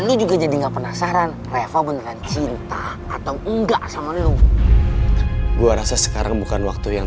kita jadi gak penasaran reva bener cinta atau nggak sama lu gua rasa sekarang bukan waktu yang